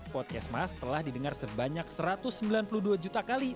podcastmas telah didengar sebanyak satu ratus sembilan puluh dua juta kali